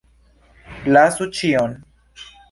Lasu ĉion!